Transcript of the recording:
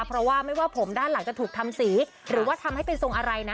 เพราะว่าไม่ว่าผมด้านหลังจะถูกทำสีหรือว่าทำให้เป็นทรงอะไรนะ